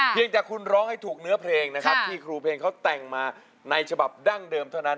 เพียงแต่คุณร้องให้ถูกเนื้อเพลงนะครับที่ครูเพลงเขาแต่งมาในฉบับดั้งเดิมเท่านั้น